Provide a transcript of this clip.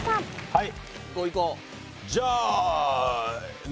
はい。